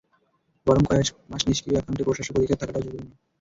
বরং কয়েক মাস নিষ্ক্রিয় অ্যাকাউন্টে প্রশাসক অধিকার থাকাটাও ঝুঁকিপূর্ণ।